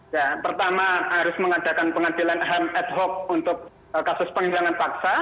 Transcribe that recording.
ya pertama harus mengadakan pengadilan ham ad hoc untuk kasus penghilangan paksa